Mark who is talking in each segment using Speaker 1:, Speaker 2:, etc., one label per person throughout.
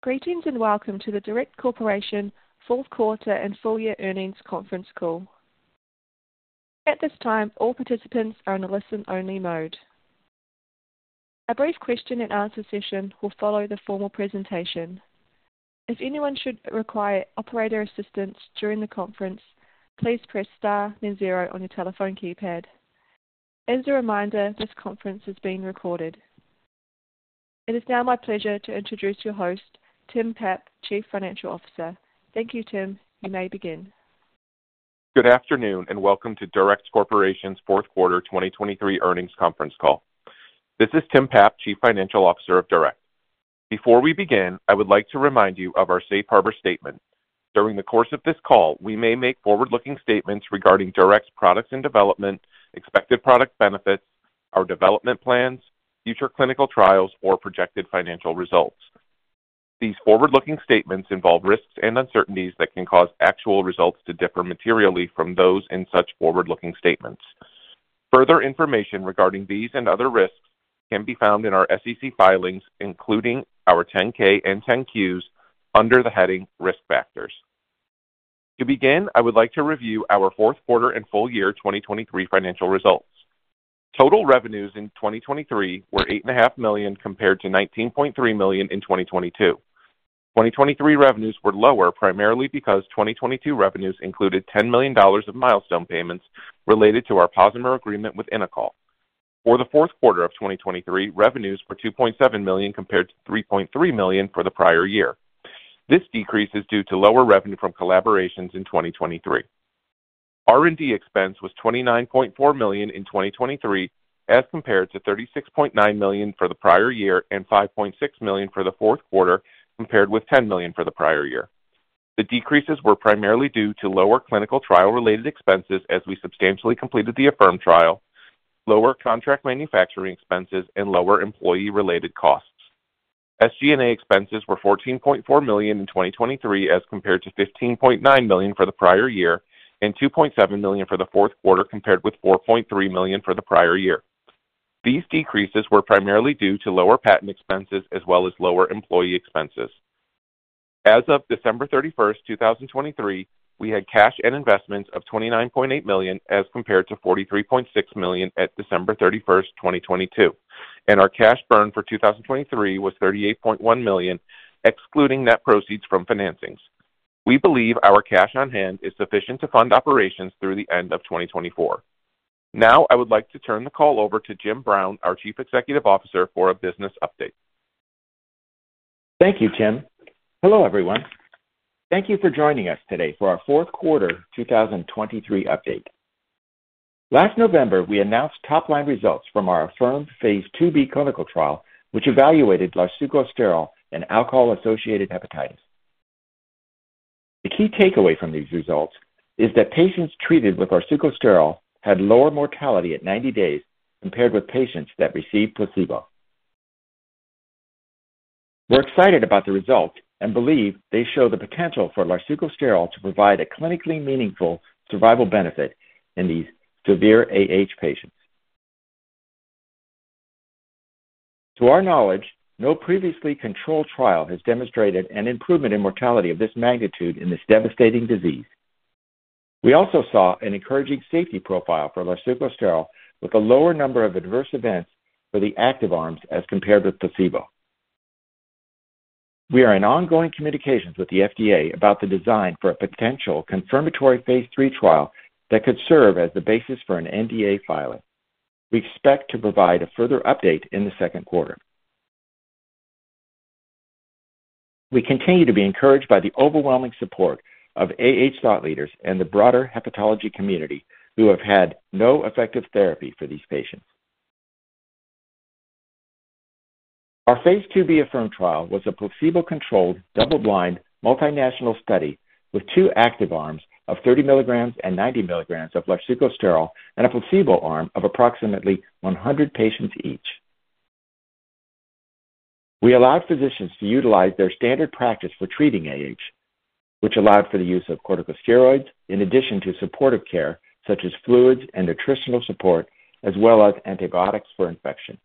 Speaker 1: Greetings and welcome to the DURECT Corporation fourth quarter and full-year earnings conference call. At this time, all participants are in a listen-only mode. A brief question-and-answer session will follow the formal presentation. If anyone should require operator assistance during the conference, please press star, then zero on your telephone keypad. As a reminder, this conference is being recorded. It is now my pleasure to introduce your host, Tim Papp, Chief Financial Officer. Thank you, Tim. You may begin.
Speaker 2: Good afternoon and welcome to DURECT Corporation's fourth quarter 2023 earnings conference call. This is Tim Papp, Chief Financial Officer of DURECT. Before we begin, I would like to remind you of our Safe Harbor Statement. During the course of this call, we may make forward-looking statements regarding DURECT's products in development, expected product benefits, our development plans, future clinical trials, or projected financial results. These forward-looking statements involve risks and uncertainties that can cause actual results to differ materially from those in such forward-looking statements. Further information regarding these and other risks can be found in our SEC filings, including our 10-K and 10-Qs, under the heading Risk Factors. To begin, I would like to review our fourth quarter and full-year 2023 financial results. Total revenues in 2023 were $8.5 million compared to $19.3 million in 2022. 2023 revenues were lower primarily because 2022 revenues included $10 million of milestone payments related to our POSIMIR Agreement with Innocoll. For the fourth quarter of 2023, revenues were $2.7 million compared to $3.3 million for the prior year. This decrease is due to lower revenue from collaborations in 2023. R&D expense was $29.4 million in 2023 as compared to $36.9 million for the prior year and $5.6 million for the fourth quarter compared with $10 million for the prior year. The decreases were primarily due to lower clinical trial-related expenses as we substantially completed the AHFIRM trial, lower contract manufacturing expenses, and lower employee-related costs. SG&A expenses were $14.4 million in 2023 as compared to $15.9 million for the prior year and $2.7 million for the fourth quarter compared with $4.3 million for the prior year. These decreases were primarily due to lower patent expenses as well as lower employee expenses. As of December 31st, 2023, we had cash and investments of $29.8 million as compared to $43.6 million at December 31st, 2022, and our cash burn for 2023 was $38.1 million, excluding net proceeds from financings. We believe our cash on hand is sufficient to fund operations through the end of 2024. Now, I would like to turn the call over to Jim Brown, our Chief Executive Officer, for a business update.
Speaker 3: Thank you, Tim. Hello, everyone. Thank you for joining us today for our fourth quarter 2023 update. Last November, we announced top-line results from our AHFIRM Phase 2b clinical trial, which evaluated larsucosterol and alcohol-associated hepatitis. The key takeaway from these results is that patients treated with larsucosterol had lower mortality at 90 days compared with patients that received placebo. We're excited about the results and believe they show the potential for larsucosterol to provide a clinically meaningful survival benefit in these severe patients. To our knowledge, no previously controlled trial has demonstrated an improvement in mortality of this magnitude in this devastating disease. We also saw an encouraging safety profile for larsucosterol with a lower number of adverse events for the active arms as compared with placebo. We are in ongoing communications with the FDA about the design for a potential confirmatory phase III trial that could serve as the basis for an NDA filing. We expect to provide a further update in the second quarter. We continue to be encouraged by the overwhelming support of thought leaders and the broader hepatology community who have had no effective therapy for these patients. Our Phase 2b AHFIRM trial was a placebo-controlled, double-blind, multinational study with two active arms of 30 mg and 90 mg of larsucosterol and a placebo arm of approximately 100 patients each. We allowed physicians to utilize their standard practice for treating which allowed for the use of corticosteroids in addition to supportive care such as fluids and nutritional support, as well as antibiotics for infection.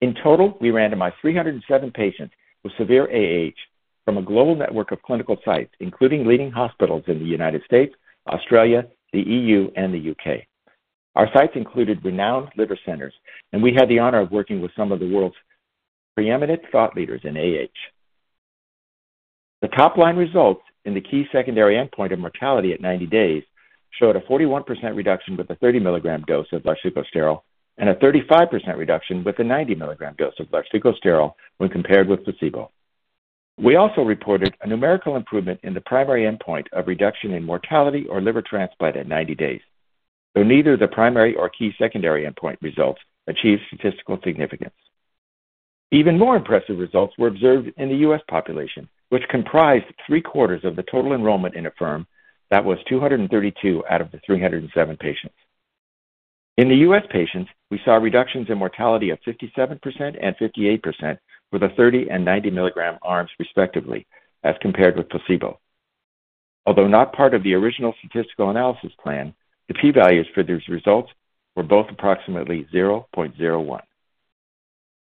Speaker 3: In total, we randomized 307 patients with severe AH from a global network of clinical sites, including leading hospitals in the United States, Australia, the E.U., and the U.K. Our sites included renowned liver centers, and we had the honor of working with some of the world's preeminent thought leaders in AH. The top-line results in the key secondary endpoint of mortality at 90 days showed a 41% reduction with the 30 mg dose of larsucosterol and a 35% reduction with the 90 mg dose of larsucosterol when compared with placebo. We also reported a numerical improvement in the primary endpoint of reduction in mortality or liver transplant at 90 days, though neither the primary or key secondary endpoint results achieved statistical significance. Even more impressive results were observed in the U.S. population, which comprised three-quarters of the total enrollment in AHFIRM. That was 232 out of the 307 patients. In the US patients, we saw reductions in mortality of 57% and 58% for the 30 and 90 mg arms, respectively, as compared with placebo. Although not part of the original statistical analysis plan, the p-values for these results were both approximately 0.01.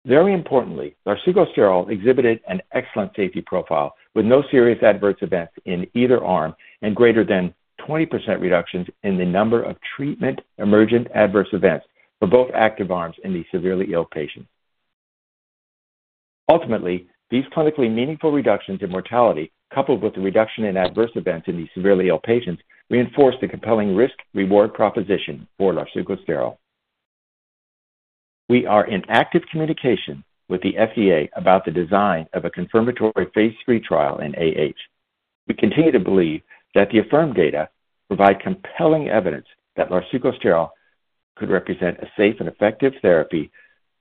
Speaker 3: Very importantly, larsucosterol exhibited an excellent safety profile with no serious adverse events in either arm and greater than 20% reductions in the number of treatment-emergent adverse events for both active arms in these severely ill patients. Ultimately, these clinically meaningful reductions in mortality, coupled with the reduction in adverse events in these severely ill patients, reinforced the compelling risk-reward proposition for larsucosterol. We are in active communication with the FDA about the design of a confirmatory Phase 3 trial. We continue to believe that the AHFIRM data provide compelling evidence that larsucosterol could represent a safe and effective therapy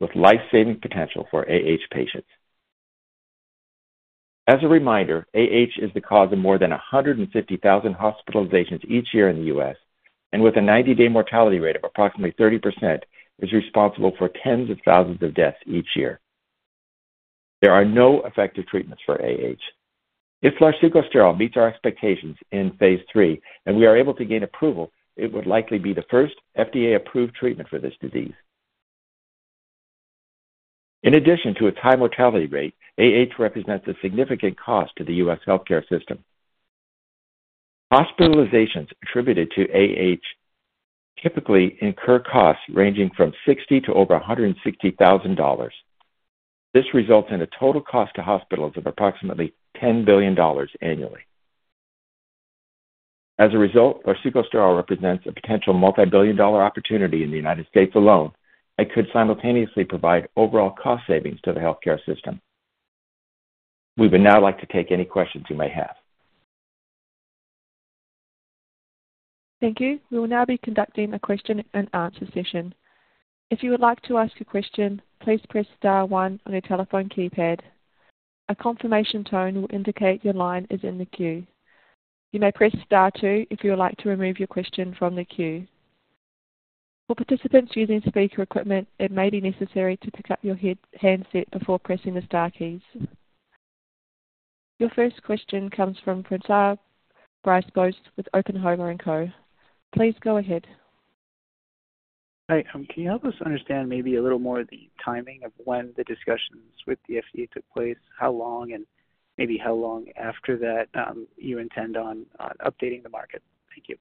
Speaker 3: with life-saving potential for patients. As a reminder, alcohol-associated hepatitis is the cause of more than 150,000 hospitalizations each year in the U.S., and with a 90-day mortality rate of approximately 30%, is responsible for tens of thousands of deaths each year. There are no effective treatments for alcohol-associated hepatitis. If larsucosterol meets our expectations in Phase 3 and we are able to gain approval, it would likely be the first FDA-approved treatment for this disease. In addition to its high mortality rate, alcohol-associated hepatitis represents a significant cost to the U.S. healthcare system. Hospitalizations attributed to alcohol-associated hepatitis typically incur costs ranging from $60,000 to over $160,000. This results in a total cost to hospitals of approximately $10 billion annually. As a result, larsucosterol represents a potential multi-billion-dollar opportunity in the United States alone and could simultaneously provide overall cost savings to the healthcare system. We would now like to take any questions you may have.
Speaker 1: Thank you. We will now be conducting a question-and-answer session. If you would like to ask a question, please press star one on your telephone keypad. A confirmation tone will indicate your line is in the queue. You may press star two if you would like to remove your question from the queue. For participants using speaker equipment, it may be necessary to pick up your handset before pressing the star keys. Your first question comes from François Brisebois with Oppenheimer & Co. Please go ahead.
Speaker 4: Hi. Can you help us understand maybe a little more the timing of when the discussions with the FDA took place, how long, and maybe how long after that you intend on updating the market? Thank you.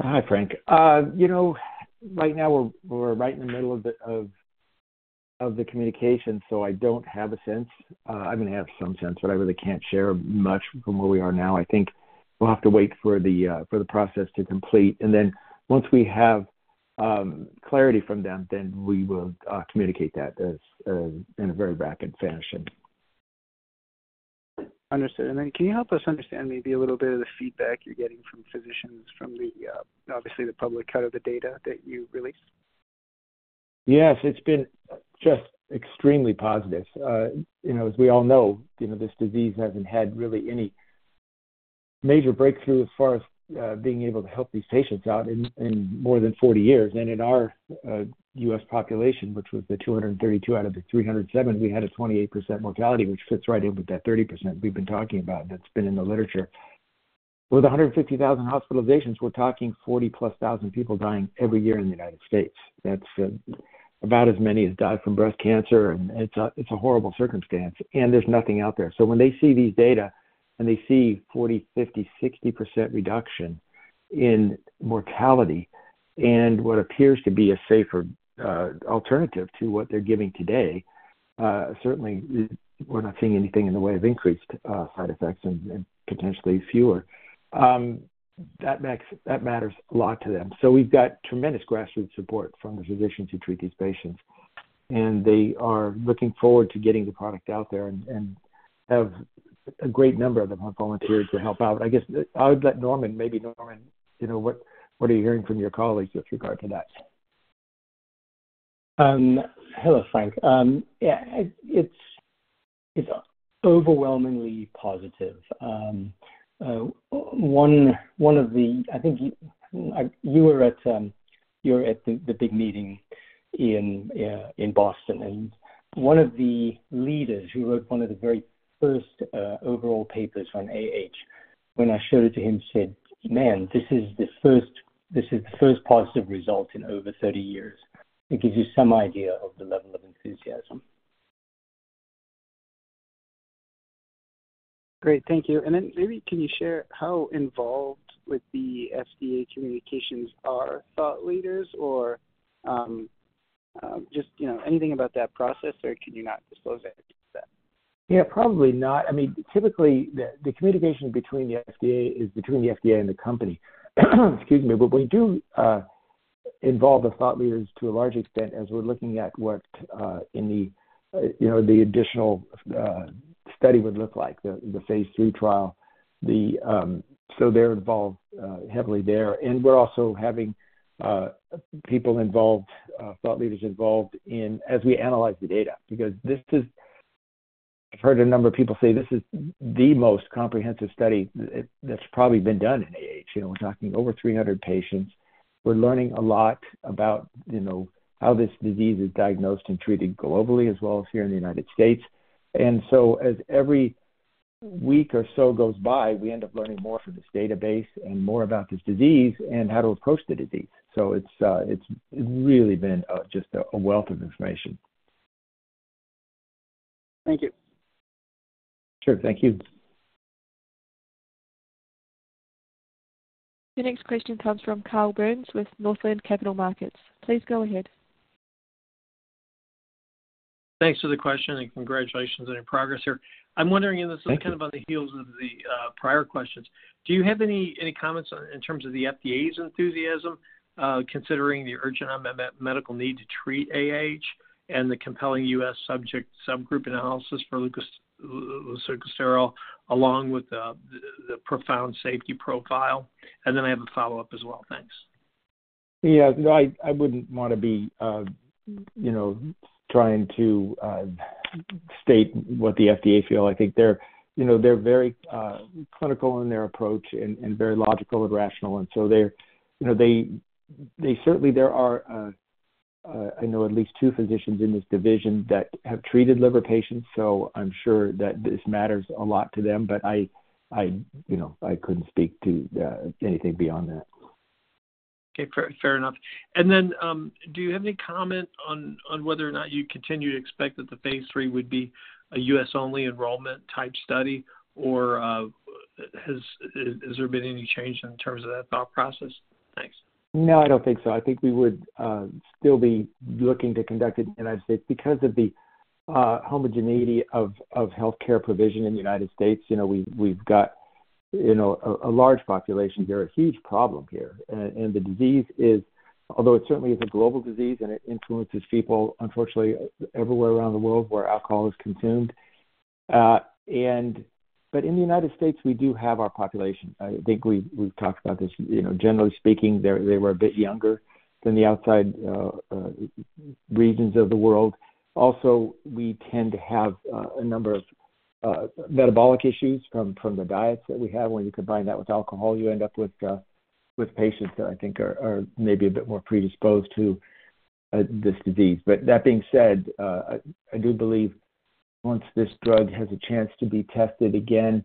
Speaker 3: Hi, Frank. Right now, we're right in the middle of the communication, so I don't have a sense. I mean, I have some sense, but I really can't share much from where we are now. I think we'll have to wait for the process to complete. And then once we have clarity from them, then we will communicate that in a very rapid fashion.
Speaker 4: Understood. And then can you help us understand maybe a little bit of the feedback you're getting from physicians from, obviously, the public cut of the data that you release?
Speaker 3: Yes. It's been just extremely positive. As we all know, this disease hasn't had really any major breakthrough as far as being able to help these patients out in more than 40 years. And in our U.S. population, which was the 232 out of the 307, we had a 28% mortality, which fits right in with that 30% we've been talking about that's been in the literature. With 150,000 hospitalizations, we're talking 40,000+ people dying every year in the United States. That's about as many as die from breast cancer, and it's a horrible circumstance. And there's nothing out there. So when they see these data and they see 40%, 50%, 60% reduction in mortality and what appears to be a safer alternative to what they're giving today, certainly, we're not seeing anything in the way of increased side effects and potentially fewer. That matters a lot to them. So we've got tremendous grassroots support from the physicians who treat these patients, and they are looking forward to getting the product out there and have a great number of them have volunteered to help out. I guess I would let Norman maybe, Norman, what are you hearing from your colleagues with regard to that?
Speaker 5: Hello, Frank. Yeah, it's overwhelmingly positive. One of the, I think you were at the big meeting in Boston. One of the leaders who wrote one of the very first overall papers on when I showed it to him, said, "Man, this is the first positive result in over 30 years." It gives you some idea of the level of enthusiasm.
Speaker 4: Great. Thank you. And then maybe can you share how involved with the FDA communications are thought leaders or just anything about that process, or can you not disclose anything to them?
Speaker 3: Yeah, probably not. I mean, typically, the communication between the FDA is between the FDA and the company. Excuse me, but we do involve the thought leaders to a large extent as we're looking at what the additional study would look like, the Phase 3 trial. So they're involved heavily there. And we're also having people involved, thought leaders involved, as we analyze the data because this is. I've heard a number of people say this is the most comprehensive study that's probably been done in AH. We're talking over 300 patients. We're learning a lot about how this disease is diagnosed and treated globally as well as here in the United States. And so as every week or so goes by, we end up learning more from this database and more about this disease and how to approach the disease. So it's really been just a wealth of information.
Speaker 4: Thank you.
Speaker 3: Sure. Thank you.
Speaker 1: The next question comes from Carl Byrnes with Northland Capital Markets. Please go ahead.
Speaker 6: Thanks for the question and congratulations on your progress here. I'm wondering and this is kind of on the heels of the prior questions. Do you have any comments in terms of the FDA's enthusiasm considering the urgent medical need to treat and the compelling U.S. subgroup analysis for larsucosterol along with the profound safety profile? And then I have a follow-up as well. Thanks.
Speaker 3: Yeah. No, I wouldn't want to be trying to state what the FDA feels. I think they're very clinical in their approach and very logical and rational. And so they certainly, there are I know at least two physicians in this division that have treated liver patients, so I'm sure that this matters a lot to them. But I couldn't speak to anything beyond that.
Speaker 4: Okay. Fair enough. And then do you have any comment on whether or not you continue to expect that the Phase 3 would be a U.S. only enrollment-type study, or has there been any change in terms of that thought process? Thanks.
Speaker 3: No, I don't think so. I think we would still be looking to conduct it in the United States because of the homogeneity of healthcare provision in the United States. We've got a large population here, a huge problem here. And the disease is, although it certainly is a global disease and it influences people, unfortunately, everywhere around the world where alcohol is consumed. But in the United States, we do have our population. I think we've talked about this. Generally speaking, they were a bit younger than the outside regions of the world. Also, we tend to have a number of metabolic issues from the diets that we have. When you combine that with alcohol, you end up with patients that I think are maybe a bit more predisposed to this disease. That being said, I do believe once this drug has a chance to be tested again,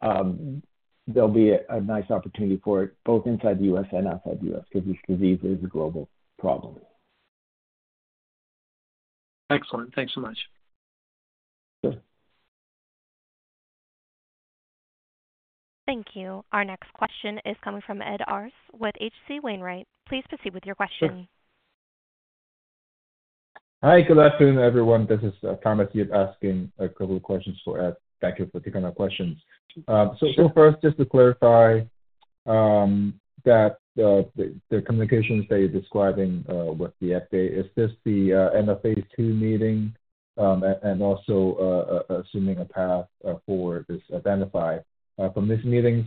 Speaker 3: there'll be a nice opportunity for it both inside the U.S. and outside the U.S. because this disease is a global problem.
Speaker 6: Excellent. Thanks so much.
Speaker 3: Sure.
Speaker 1: Thank you. Our next question is coming from Ed Arce with H.C. Wainwright. Please proceed with your question.
Speaker 7: Hi. Good afternoon, everyone. This is Thomas Yip asking a couple of questions for Ed. Thank you for taking our questions. So first, just to clarify the communications that you're describing with the FDA, is this the end of Phase 2 meeting and also assuming a path forward is identified from these meetings?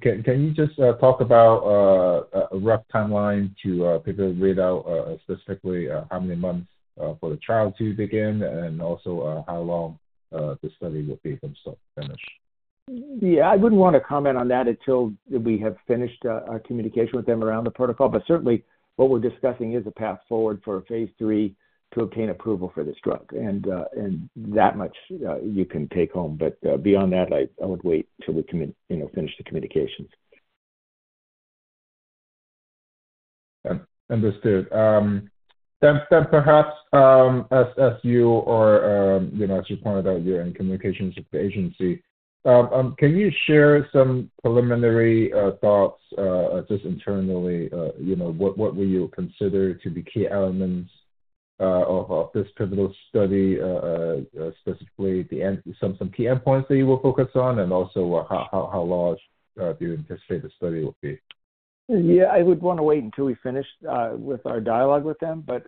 Speaker 7: Can you just talk about a rough timeline to pick a readout, specifically how many months for the trial to begin and also how long the study would be from start to finish?
Speaker 3: Yeah. I wouldn't want to comment on that until we have finished our communication with them around the protocol. But certainly, what we're discussing is a path forward for Phase 3 to obtain approval for this drug. And that much you can take home. But beyond that, I would wait till we finish the communications.
Speaker 7: Understood. Then perhaps, as you or as you pointed out, you're in communications with the agency. Can you share some preliminary thoughts just internally? What will you consider to be key elements of this pivotal study, specifically some key endpoints that you will focus on and also how large do you anticipate the study would be?
Speaker 3: Yeah. I would want to wait until we finish with our dialogue with them. But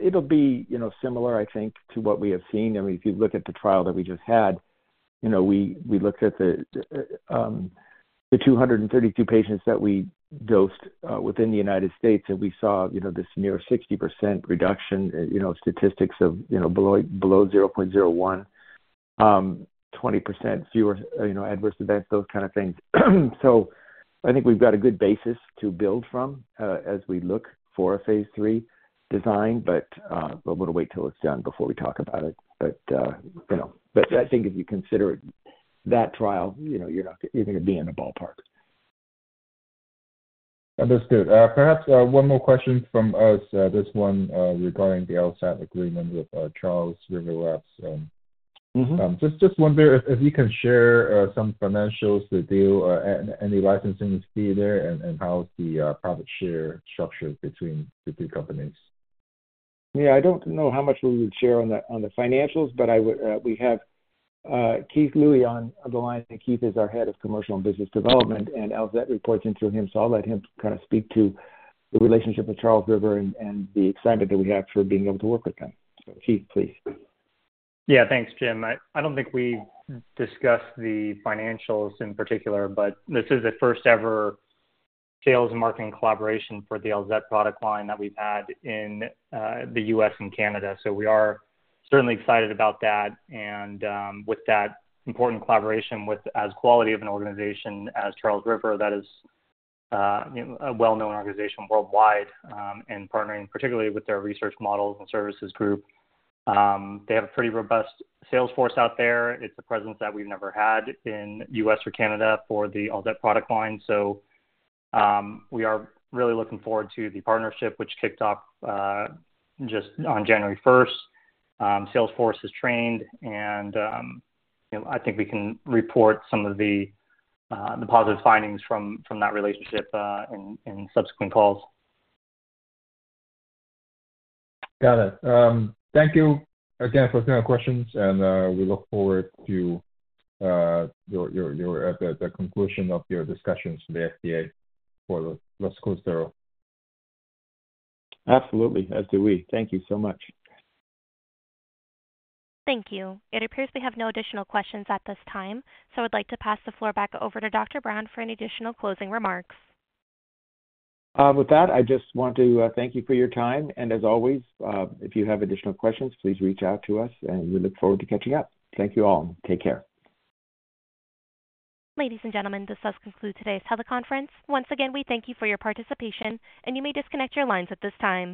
Speaker 3: it'll be similar, I think, to what we have seen. I mean, if you look at the trial that we just had, we looked at the 232 patients that we dosed within the United States, and we saw this near 60% reduction, statistics of below 0.01, 20% fewer adverse events, those kind of things. So I think we've got a good basis to build from as we look for a Phase 3 design, but we'll wait till it's done before we talk about it. But I think if you consider that trial, you're going to be in the ballpark.
Speaker 7: Understood. Perhaps one more question from us, this one regarding the ALZET agreement with Charles River Laboratories. Just wondering if you can share some financials, the deal, any licensing fee there, and how's the profit share structured between the two companies?
Speaker 3: Yeah. I don't know how much we would share on the financials, but we have Keith Lui on the line. Keith is our head of commercial and business development, and ALZET reports into him. So I'll let him kind of speak to the relationship with Charles River and the excitement that we have for being able to work with them. So Keith, please.
Speaker 8: Yeah. Thanks, Jim. I don't think we've discussed the financials in particular, but this is the first-ever sales and marketing collaboration for the ALZET product line that we've had in the US and Canada. So we are certainly excited about that. And with that important collaboration with as quality of an organization as Charles River, that is a well-known organization worldwide and partnering particularly with their research models and services group, they have a pretty robust sales force out there. It's a presence that we've never had in the US or Canada for the ALZET product line. So we are really looking forward to the partnership, which kicked off just on January 1st. Sales force is trained, and I think we can report some of the positive findings from that relationship in subsequent calls.
Speaker 7: Got it. Thank you again for sharing questions, and we look forward to your conclusion of your discussions with the FDA for larsucosterol.
Speaker 3: Absolutely. As do we. Thank you so much.
Speaker 1: Thank you. It appears we have no additional questions at this time, so I would like to pass the floor back over to Dr. Brown for any additional closing remarks.
Speaker 3: With that, I just want to thank you for your time. As always, if you have additional questions, please reach out to us, and we look forward to catching up. Thank you all. Take care.
Speaker 1: Ladies and gentlemen, this does conclude today's teleconference. Once again, we thank you for your participation, and you may disconnect your lines at this time.